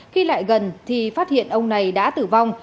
khi lại gần thì phát hiện ông này đã tử vong